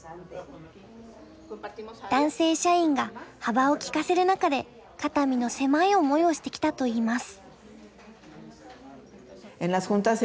男性社員が幅を利かせる中で肩身の狭い思いをしてきたといいます。